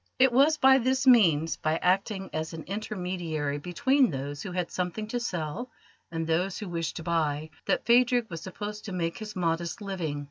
It was by this means, by acting as an intermediary between those who had something to sell and those who wished to buy, that Phadrig was supposed to make his modest living.